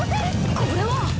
これは。